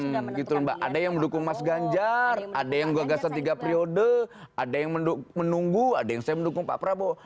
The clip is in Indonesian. ya kan macem macem gitu mbak ada yang mendukung mas ganjar ada yang gua gasa tiga periode ada yang menunggu ada yang saya mendukung pak prabowo